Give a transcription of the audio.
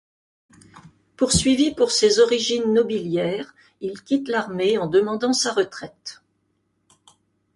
Poursuivi pour ses origines nobiliaires, il quitte l'armée en demandant sa retraite.